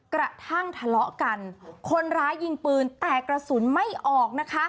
กระทั่งทะเลาะกันคนร้ายยิงปืนแต่กระสุนไม่ออกนะคะ